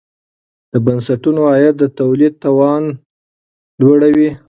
د بنسټونو عاید د تولید توان لوړوي.